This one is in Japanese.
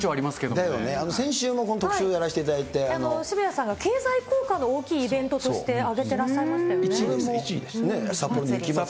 だよね、先週も特集をやらせ渋谷さんが経済効果の大きいイベントとして挙げていらっしゃいましたよね。